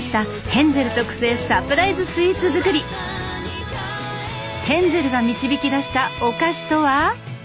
ヘンゼルが導き出したお菓子とは？